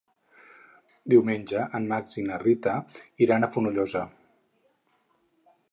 Diumenge en Max i na Rita iran a Fonollosa.